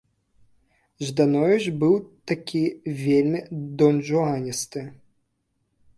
Ждановіч быў такі вельмі донжуаністы.